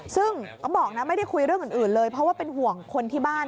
ซึ่งเขาบอกนะไม่ได้คุยเรื่องอื่นเลยเพราะว่าเป็นห่วงคนที่บ้าน